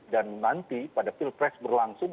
dan nanti pada pilpres berlangsung